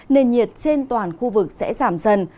nền nhiệt trên toàn khu vực sẽ giảm dần